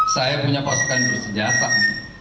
saya punya pasukan bersenjata